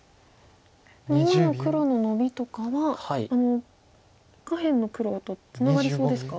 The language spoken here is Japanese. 今の黒のノビとかは下辺の黒とツナがりそうですか？